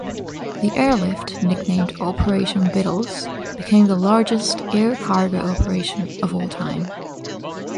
The airlift, nicknamed "Operation Vittles", became the largest air cargo operation of all time.